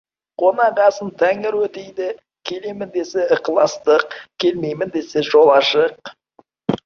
Қонақ асын Тәңірі өтейді, келемін десе, ықыластық, келмеймін десе, жол ашық.